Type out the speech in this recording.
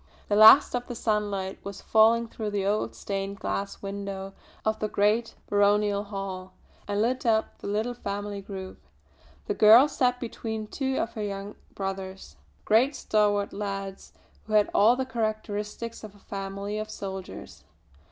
The last of the sunlight was falling through the old stained glass window of the great baronial hall, and lit up the little family group. The girl sat between two of her young brothers, great stalwart lads who had all the characteristics of a family of soldiers.